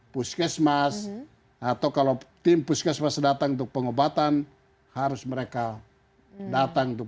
puskesmas atau kalau tim puskesmas datang untuk pengobatan harus mereka datang untuk